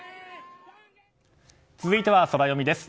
続いてはソラよみです。